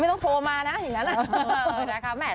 ไม่ต้องโทรมานะอย่างนั้นแหละ